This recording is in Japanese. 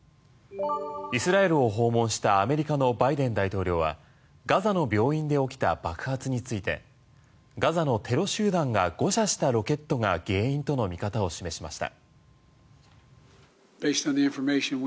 イスラエルを訪問したアメリカのバイデン大統領はガザの病院で起きた爆発についてガザのテロ集団が誤射したロケットが原因との見方を示しました。